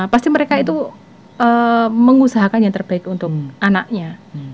pasti mereka itu mengusahakan yang terbaik untuk anaknya